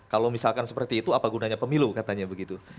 kalau misalkan seperti itu apa gunanya pemilu katanya begitu